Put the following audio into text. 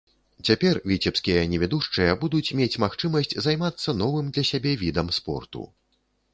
Цяпер віцебскія невідушчыя будуць мець магчымасць займацца новым для сябе відам спорту.